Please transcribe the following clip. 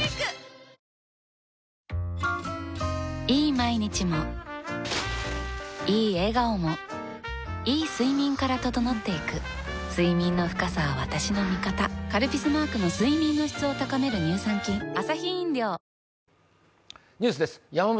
毎日もいい笑顔もいい睡眠から整っていく睡眠の深さは私の味方「カルピス」マークの睡眠の質を高める乳酸菌うわ！！